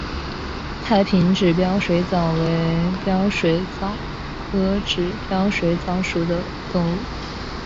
太平指镖水蚤为镖水蚤科指镖水蚤属的动物。